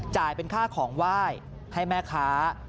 จ่ายเป็นค่าของไหว้ให้แม่ค้า